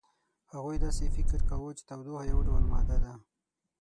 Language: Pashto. هغوی داسې فکر کاوه چې تودوخه یو ډول ماده ده.